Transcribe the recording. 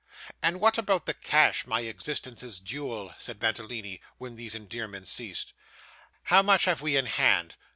'And what about the cash, my existence's jewel?' said Mantalini, when these endearments ceased. 'How much have we in hand?